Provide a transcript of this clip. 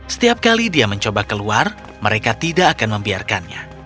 setiap kali dia mencoba keluar mereka tidak akan membiarkannya